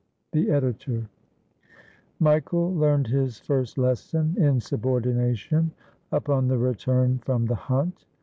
The Editor^ Michael learned his first lesson in subordination upon the return from the hunt.